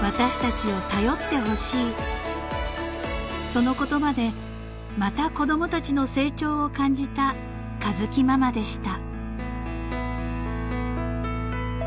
［その言葉でまた子供たちの成長を感じた佳月ママでした］